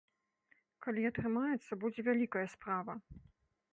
Калі атрымаецца, будзе вялікая справа.